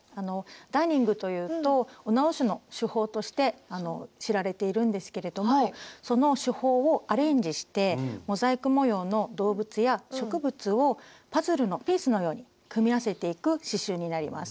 ダーニングというとお直しの手法として知られているんですけれどもその手法をアレンジしてモザイク模様の動物や植物をパズルのピースのように組み合わせていく刺しゅうになります。